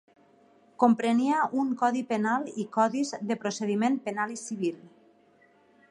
Comprenia un codi penal i codis de procediment penal i civil.